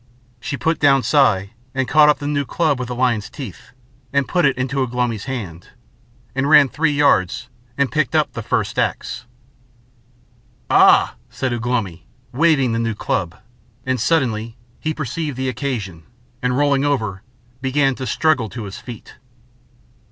She put down Si and caught up the new club with the lion's teeth, and put it into Ugh lomi's hand, and ran three yards and picked up the first axe. "Ah!" said Ugh lomi, waving the new club, and suddenly he perceived the occasion and, rolling over, began to struggle to his feet.